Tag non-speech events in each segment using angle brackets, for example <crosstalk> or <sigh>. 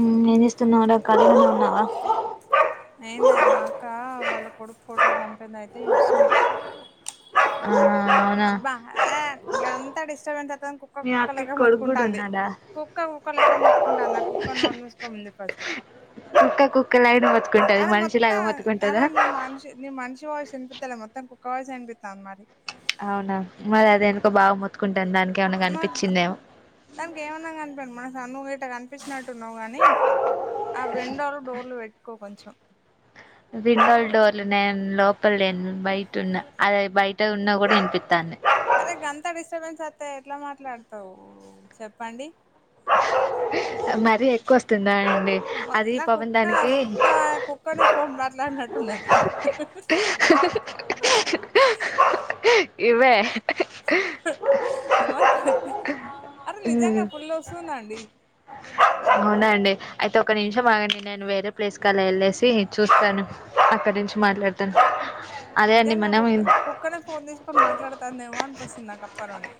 ఉమ్ ఏం జేస్తున్నావ్ రా ఖాళీగానే ఉన్నావా ఏం లేదు మా అక్క వాళ్ళ కొడుకు ఫోటోలు పంపింది అయితే జూస్తున్నా ఊ అబ్బా ఆ గంత డిస్టర్బెన్స్ అత్తంది కుక్క మీ కుక్క అక్కకి లెక్క కొడుకు కూడా మొత్తుకుంటాంది. ఉన్నాడా కుక్క కుక్క లెక్క మొత్తుకుంటాంది ఆ కుక్కను నోరుమూసుకొమ్మను జెప్పు ఫస్ట్ కుక్క కుక్క లయనే మొత్ అరే మొత్తం అలా నీ మనిషి నీ మనిషి వాయిస్ యినిపితలే మొత్తం కుక్క వాయిసే ఇనిపిత్తంది మరి అవునా మరి అది ఎందుకో బాగా మొత్తుకుంటుంది దానికి ఏమన్నా మరి కనిపించిందేమో దానికి ఏమన్నా కనపడని మన నువ్వు ఇట కనిపించినట్టున్నవు గనీ ఆ విండోలు డోర్లు బెట్టుకో కొంచెం విండోల్ డోర్లు నేను లోపల లేను బయటున్న అది బయట ఉన్న గూడా ఇనిపిత్తంది. అదే గంతా డిస్టర్బెన్స్ అత్తే ఎట్ల మాట్లాడతవ్ చెప్పండి. మరీ ఎక్కువ వస్తుందా అండి అది <inaudible> నా పాపం కుక్క దానికి కుక్క కుక్కనే ఫోన్ మట్లాడినట్టున్నది. హ్ హ్ ఇవే <inaudible> అరే నిజంగా ఫుల్ వోస్తుందండి. <inaudible> అవునండి అయితే ఒక నిమిషం ఆగండి నేను వేరే ప్లేస్ కలా యేళ్ళేసి చూస్తాను. అక్కడి నుంచి మాట్లాడతాను. అదే అండి నిజంగా మనం కుక్క కుక్కనే ఫోన్ తీసుకొని మాట్లాడతందేవో అనిపిస్తుంది నా కప్పనుండి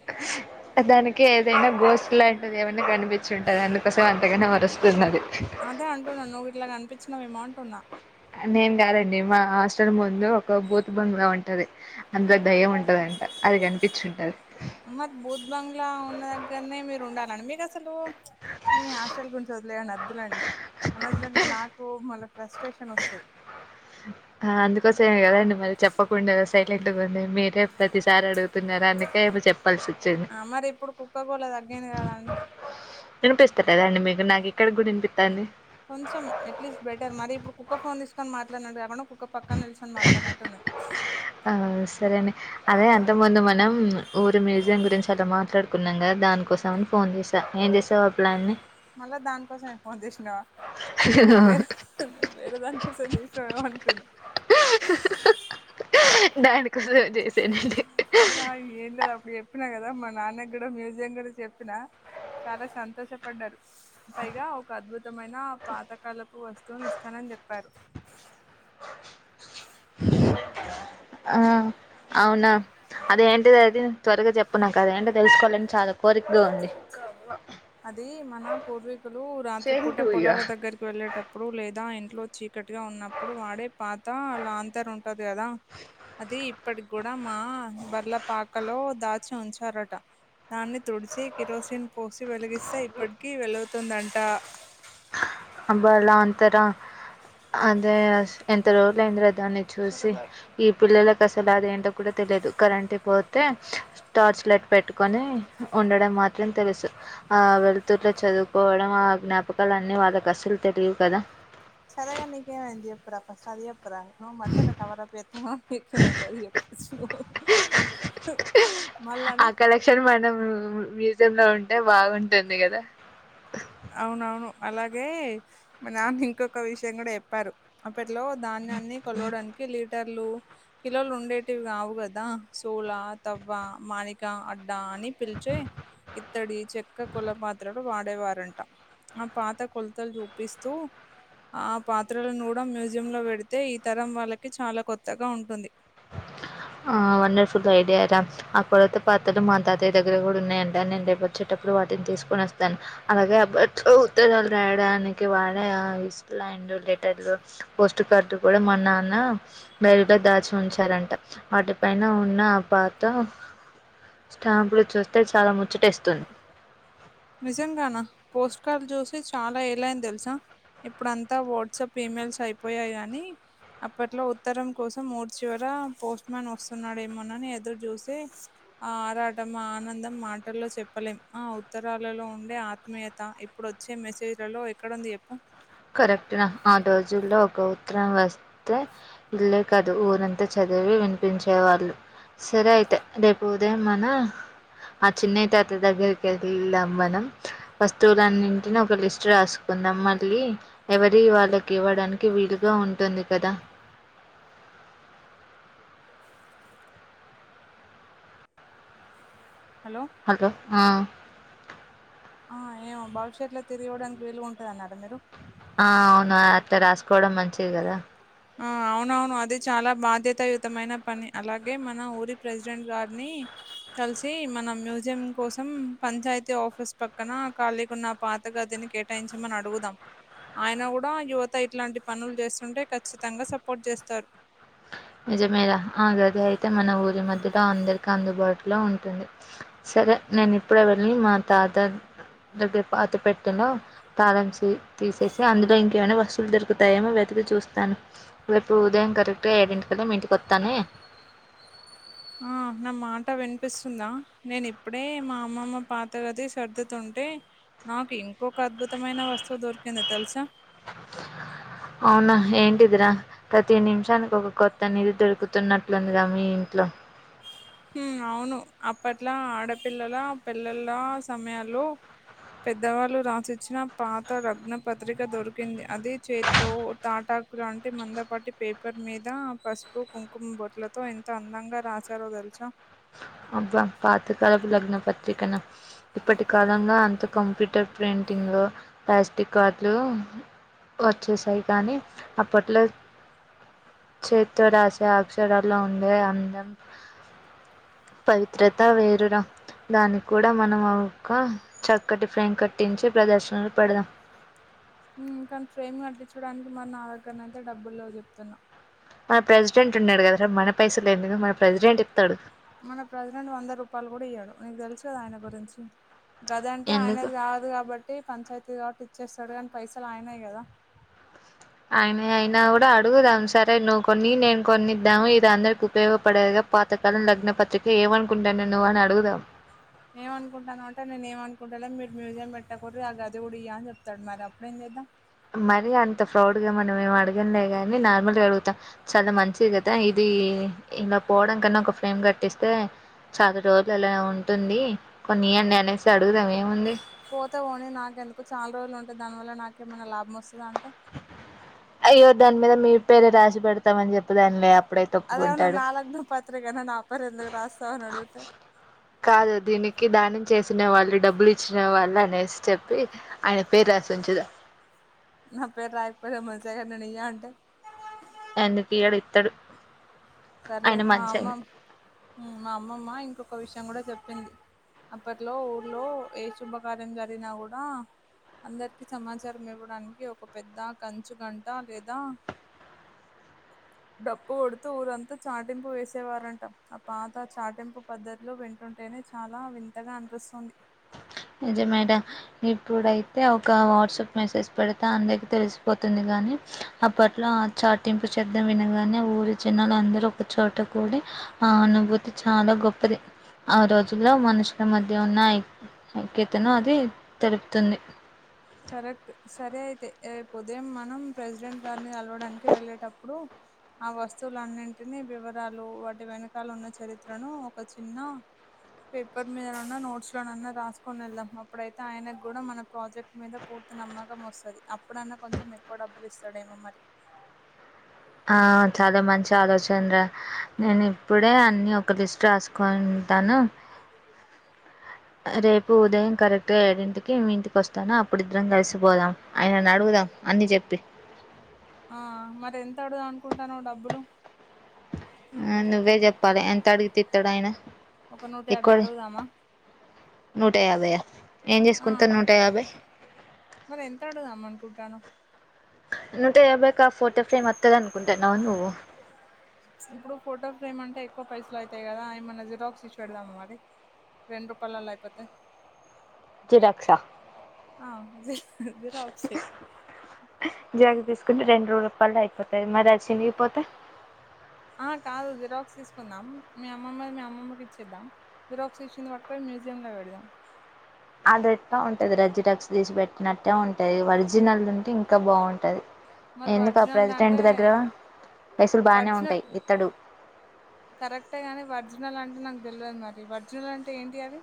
దానికి ఏదైనా గోస్ట్ లాంటిది ఏమన్న కనిపిం అది అందుకోసం అంతగనం అరుస్తున్నది. అదే అంటున్నా నువ్వు గిట్లా కనిపిచ్చినవెమో అంటున్న. నేను కాదండి మా హాస్టల్ ముందు ఒక బూత్ బంగ్లా ఉంటది. అందుల దయ్యం ఉంటదంట అది కనిపిచ్చిఉంటది. మరి బూత్ బంగ్లా ఉన్న దగ్గరనే మీరు ఉండాలండి మీకు అసలు మీ హాస్టల్ గురించి ఒదిలెయండి. అద్దులేండి అనవసరంగా నాకు మళ పస్ట్రేషన్ వోస్తది. అందుకోసమే కదండి మరి చెప్పకుండా సైలెంట్ గా ఉంది మీరే ప్రతిసారి అడుగు చెప్తున్నారా అందుకే ఇపుడు చెప్పాల్సి వచ్చింది ఆ మరి ఇప్పుడు కుక్క గోళ తగ్గింది. కదండీ. వినిపిస్త కదండి మీకు నాకు ఇక్కడికి గూడ వినిపితాంది. కొంచెం ఎట్లీస్ట్ బెటర్ మరి ఇప్పుడు కుక్క ఫోన్ తీసుకొని మాట్లాడినట్టు కాకుండా ఒక పక్కన నిల్చొని మాట్లాడినట్టు ఉన్నది. ఆ సరే అండి. అదే అంతకు ముందు మనం ఊరు మ్యూజియం గురించి అలా మాట్లాడుకున్నాం గదా దాని కోసం అని ఫోన్ చేసిన ద ఎంజేసావు ఆ ప్లాన్ నీ మళ్ళా దానికోసమే ఫోన్ జేశీనవ నివ్వే వేరు వేరే దానికోసం చేసినవేమో అనుకున్న. దానికోసమే చేసానండి. ఆ ఏం లేదు అప్పుడు జెప్పినా గదా మా నాన్న గూడా మ్యూజియం కూడా చెప్పినా చాలా సంతోషపడ్డరు. పైగా ఒక అద్భుతమైన పాతకాలపు వస్తువుని ఇస్తానని జెప్పారు. <inaudible> ఆ అవునా! అదేంటి అది త్వరగా జెప్పు నాకది ఏంటిది తెలుసుకోవాలని చాలదు అది మన పూర్వీకులు రాత్రి సేమ్ పూట టు పొలాల యూ. దగ్గరికి వెళ్ళేటప్ ప్పుడు లేదా ఇంట్లో చీకటిగా ఉన్నప్పుడు వాడే పాత లాంతర్ ఉంటది కదా, అది ఇప్పటికి గుడ్ డ మా బర్ల పాకలో దాచి ఉంచారట, దాన్ని తుడిచి కిరోసిన్ పోసి వెలిగిస్తే ఇప్పటికి వెలుతుందంట. అబ్బా లాంతర? అదే అస్ ఎంత రోజుల అయిందిలే దాన్ని చూసి, ఈ పిల్లల కసలు అదేంటో కూడ తెలియదు కరెంట్ పో తే టార్చ్ లైట్ పెట్టుకొని ఉండడం మాత్రం తెలుసు. ఆ వెళుతుర్ల చదువుకోవడం, ఆ జ్ఞాపకాలు అన్ని వాళ్ళకి అస్సలు తెలివు కదా. సరేగాని నీకేమైంది చెప్పురా, ఫస్ట్ అది చెప్ పర మనం మంచిగనే కవరా పేత ఆ కలెక్షన్ మనం మ్యూజియం లో ఉంటే బాగుంటుంది కదా. అవునవును అలాగే మా నాన్న ఇంకొక విషయం కూడా చెప్పారు. అప్పట్లో ధాన్యాన్ని కొలవడానికి లీటర్లు కిలోలు ఉండేటివి కావు కదా. సూల, తవ్వ, మాణిక, అడ్డా అని పిలిచే ఇత్తడి, చెక్క, కుల పాత్రలు వాడేవారం ఆ పాత కొలతలు చూపిస్తూ ఆ పాత్రలను కూడా మ్యూజియం లో పెడితే, ఈ తరం వాళ్ళకి చాలా కొత్తగా ఉంటుంది. ఆ వండర్ఫుల్ ఐడియారా. ఆ కొలత పాత్రలు మా తాతయ్య దగ్గర గుడ ఉన్నయంట, నేను రేపు వచ్చేటప్పుడు వాటిని తీసుకొని వస్తాను. అలాగే అబట్లో ఉత్తరాలు రాయడానికి వాడే ఆ ఇస్తులాండ్ లెటర్లు పోస్టు కార్డు కూడా మా నాన్న బేరుగా దాచి ఉంచారంట. వాటిపైన ఉన్న ఆ పాత స్టాంపులు చూస్తే చాలా ముచ్చటేస్తుంది. నిజంగానా పోస్ట్ కార్లు చూసి చాలా ఏలాయింది తెలుసా? ఇప్పుడంతా వాట్సాప్, ఇమెయిల్స్ అయిపోయాయి గాని అప్పట్లో ఉత్తరం కోసం రోడ్ చివర పోస్ట్ మన్ వస్తున్నాడేమోనని ఎదురు చూసే ఆ ఆరాటం ఆనందం మాటల్లో చెప్పలేం. ఆ అవు ఉత్తరాలలో ఉండే ఆత్మీయత, ఇప్పుడు వచ్చే మెసేజ్లలో ఎక్కడుంది చెప్పు? కరెక్ట్ రా ఆ రోజుల్లో ఒక ఉత్తరం వస్తే ఇల్లే కాదు ఊరంతా చదివి వినిపించే వాళ్ళు. సరే అయితే రేపు ఉదయం మన ఆ చిన్నయి తాత దగ్గరికి ఎళ్దాం మనం. వస్తువులన్నింటిని ఒక లిస్ట్ రాసుకుందాం, మళ్ళీ ఎవరి వాళ్లకి ఇవ్వడానికి వీలుగా ఉంటుంది కదా. హలో హలో ఆ ఆ ఏమో భవిష్యత్లో తిరిగి ఇవ్వడానికి వీలుగ ఉంటది అన్నారా మీరు? ఆ అవునా అట్ల రాసుకోవడం మంచిది కదా. ఆ అవునవును అది చాలా బాధ్యతాయుతమైన పని, అలాగే మన ఊరి ప్రెసిడెంట్ గారిని కలిసి మన మ్యూజియం కోసం పంచాయతీ ఆఫీస్ పక్కన ఖాళీగున్న పాత గదిని కేటాయించమని అడుగుదాం, ఆయన గుడా యువత ఇట్లాంటి పనులు చేస్తుంటే ఖచ్చిత్ తంగా సపోర్ట్ చేస్తారు. నిజమేర ఆ గది అయితే మన ఊరి మధ్యలో అందరికి అందుబాటులో ఉంటుంది. సరే నేను ఇప్పుడే వెళ్ళి మా తాత దగ్గర పాత పెట్టెలో తాళం చేయి తీసేసి అందులో ఇంకేమైనా వస్తు వులు దొరుకుతాయేమో వెతికి చూస్తాను రేపు ఉదయం కరెక్ట్గ ఏడింటికల్లా మీ ఇంటికి వస్తానే ఆ నా మాట వినిపిస్తుందా నేను ఇప్పుడే మా అమ్మమ్మ పాత గది సర్దుతుంటే నాకు ఇంకొక అద్భుతమైన వస్తువు దొరికింది తెలుసా అవునా ఏంటిదిరా ప్రతి నిమిషానికి ఒక కొత్త నిధి దొరుకుతున్నట్లుందిగా మీ ఇంట్లో అవును అప్పట్లా ఆడపిల్లల పెళ్లిళ్ల సమయాల్లో పెద్దవాళ్ళు రాసిచ్చిన పాత లగ్న పత్రిక దొరికింది అది చేతితో తాటా లాంటి మందపాటి పేపర్ మీద పసుపు కుంకుమ బోట్లతో ఎంత అందంగా రాసారో తెలుస సా అబ్బా పాతకాలపు లగ్నపత్రికనా ఇప్పటి కాలంలో అంత కంప్యూటర్ ప్రింటింగ్ ప్లాస్టిక్ కార్డ్లు వచ్చేసాయి కానీ అప్పట్లో చేతితో రాసే అక్షరాల్లో ఉండే అందం పవిత్రత వేరురా దానికి కూడా మనం ఒక్క చక్కటి ఫ్రేమ్ కట్టించి ప్రదర్శనలో పెడదాం కానీ ఫ్రేమ్ కట్లించడానికి మరి నా దగ్గరనయితే డబ్బులు లేవు చెప్తున్నా మన ప్రెసిడెంట్ ఉన్నడు కదరా మన పైసలు ఎందుకు మన ప్రెసిడెంట్ ఇత్తడు మన ప్రెసిడెంట్ వంద రూపాయలు కూడ ఇయ్యడు నీకు తెలుసు కదా ఆయన గురించి గదంటే ఎందుకు ఆయనది కాదు కాబట్టి పంచాయతీ కాబట్టి ఇచ్చేస్తడు కానీ పైసలు ఆయనయి కదా ఆయనయి అయినా కూడా అడుగుదాం సరే నువ్వు కొన్ని నేను కొన్నిద్దాము ఇది అందరికి ఉపయోగపడేదే పాతకాలం లగ్న పత్రిక ఏమనుకుంటన్నవు నువ్వు అని అడుగుదాం. ఏమనుకుంటానవు అంటే నేను ఏమనుకుంటలే మీరు మ్యూజియం పెట్టకుర్రి ఆ గది కూడ ఇయ్య అని చెప్తడు మరి అప్పుడేం చేద్దాం మరి అంత ఫ్రౌడ్గా మనమేం అడగంలే గాని నార్మల్గ అడుగుతం చాలా మంచిది కదా ఇది ఇలా పోవడం కన్నా ఒక ఫ్రేమ్ కట్టిస్తే చాలా రోజులు అలా ఉంటుంది కొన్ని ఇయ్యండి అనేసి అడుగుదాం ఏముంది పోతే పోనీ నాకెందుకు చాలా రోజులు ఉంటె దానివల్ల నాకేమైనా లాభం వస్తదా అంటే అయ్యో దాని మీద మీ పేరే రాసి పెడతమని చెప్పుదాంలే అప్పుడైతే అదేమన్న ఒప్పుకుంటాడు నా లగ్నపత్రికనా నా పేరు ఎందుకు రాస్తవని అడుగుతే కాదు దీనికి దానం చేసిన వాళ్ళు డబ్బులు ఇచ్చిన వాళ్ళు అనేసి చెప్ ప్పి ఆయన పేరు రాసి ఉంచుదాం నా పేరు రాయకపోయిన మంచిదే కానీ నేనియ్య అంటే ఎందుకియ్యడు ఇత్తడు సరలే ఆయన మా మంచి ఆయన అమ్మమ్ ఉ మా అమ్మమ్మ ఇంకొక విషయం కూడా చెప్పింది అప్పట్లో ఊర్లో ఏ శుభకార్యం జరిగినా కూడా అందరికి సమాచారం ఇవ్వడానికి ఒక పెద్ద కంచుగంట లేదా డప్పు కొడుతూ ఊరంత చాటింపు వేసేవారంట ఆ పాత చాటింపు పద్ధతిలో వింటుంటేనే చాలా వింతగా అనిపిస్తుంది నిజమేరా ఇప్పుడైతే ఒక వాట్సప్ మెసేజ్ పెడితే అందరికి తెలిసిపోతుంది గాని అప్పట్లో ఆ చాటింపు శబ్దం వినగానే ఊరి జనాలు అందరు ఒక చోట కూడి ఆ అనుభూతి చాలా గొప్పది ఆ రోజుల్లో మనుషుల మధ్య ఉన్నాయి సంకేతన అది తెలుపుతుంది కరెక్ట్ సరే అయితే రేపు ఉదయం మనం ప్రెసిడెంట్ గారిని కలవడానికి వెళ్ళేటప్పుడు ఆ వస్తువులు అన్నింటినీ వివరాలు వాటి వెనకాల ఉన్న చరిత్రను ఒక చిన్న పేపర్ మీదనన్నా నోట్స్‌లోనన్నా రాసుకొని ఎళ్దాం అప్పుడైతే ఆయనకు కూడా మన ప్రాజెక్ట్ మీద పూర్తి నమ్మకం వస్తది అప్పుడన్నా కొంచెం ఎక్కువ డబ్బులు ఇస్తాడేమో మరి ఆ చాలా మంచి ఆలోచన రా నేను ఇప్పుడే అన్నీ ఒక లిస్ట్ రాసుకుంటాను రేపు ఉదయం కరెక్ట్‌గా ఏడింటికి మీ ఇంటికి వస్తాను అప్పుడు ఇద్దరం కలిసిపోదాం ఆయనని అడుగుదాం అని చెప్పి ఆ మరి ఎంత అడుగుదాం అనుకుంటాన్నావ్ డబ్బులు ఆ నువ్వే చెప్పాలే ఎంత అడిగితే ఇత్తాడు ఆయన ఒక నూట ఎక్కువ యాభై అడుగుదామా నూట యాభై ఏం ఆ చేసుకుంటా నూట యాభై మరి ఎంత అడుగుదాం అనుకుంటానావ్ నూట యాభై కా ఫోటో ఫ్రేమ్ అత్తది అనుకుంటున్నవా నువ్వు ఇప్పుడు ఫోటో ఫ్రేమ్ అంటే ఎక్కువ పైసలు అవుతాయి కదా ఏమైనా జిరాక్స్ ఇచ్చి పెడదామా మరి రెండు రూపాయలలో అయిపోతాయి జిరాక్సా ఆ జి జిరాక్సే జిరాక్స్ తీసుకుంటే రెండు రూపాయల్లో అయిపోతయి మరి అది చినిగిపోతే ఆ కాదు జిరాక్స్ తీసుకుందాం మీ అమ్మమ్మది మీ అమ్మమ్మకి ఇచ్చేద్దాం జిరాక్స్ ఇచ్చింది పట్టుకొని మ్యూజియంలో పెడదాం అదెట్ట ఉంటదిరా జిరాక్స్ తీసి పెట్టినట్టే ఉంటది ఒరిజినల్‌ది ఉంటే ఇంకా బాగుంటది మరి ఎందుకు ఆ ఒరిజినల్ది ప్రెసిడెంట్ అంటే దగ్గర పైసల్ బాగానే ఒరిజినల్ ఉంటాయి ఇతడు కరెక్టే కానీ ఒరిజినల్ అంటే నాకు తెలియదు మరి ఒరిజినల్ అంటే ఏంటి అది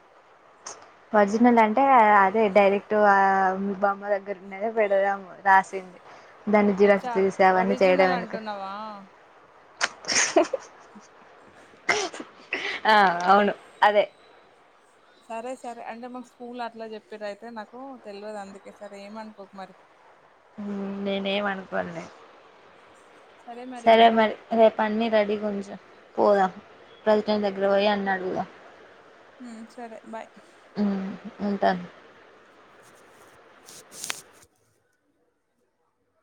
ఒరిజినల్ అంటే అదే డైరెక్ట్ ఆ మీ బామ్మ దగ్గర ఉండేది పెడదాము రాసింది దాన్ని జిరాక్స్ అచ్చా తీసి అవన్నీ చేయడం ఒరిజినల్ ఎందుకు అంటున్నావా ఆ అవును అదే సరే సరే అంటే మాకు స్కూల్లో అట్లా చెప్పిరు అయితే నాకు తెలువదు అందుకే సరే ఏమనుకోకు మరి ఉమ్మ్ నేనేమి అనుకోనులే సరే మరి రేపు అన్నీ రెడీగా ఉంచు పోదాం ప్రెసిడెంట్ దగ్గర పోయి అని అడుగుదాం ఉమ్మ్ సరే బాయ్ ఉమ్మ్ ఉంటాను <inaudible>